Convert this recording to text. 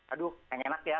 aduh yang enak ya